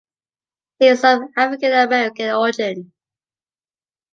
He is of African-American origin.